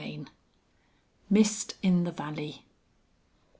XXIX. MIST IN THE VALLEY.